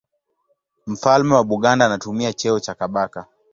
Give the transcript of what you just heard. Mfalme wa Buganda anatumia cheo cha Kabaka.